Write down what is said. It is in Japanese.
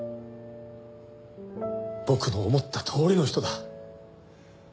僕の思ったとおりの人だ。